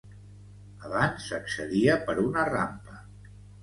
Abans s'accedia per una rampa.